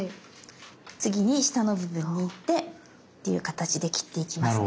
次に下の部分に行ってっていう形で切っていきますね。